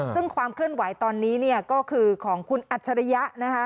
ซึ่งความเคลื่อนไหวตอนนี้ก็คือของคุณอัจฉริยะนะคะ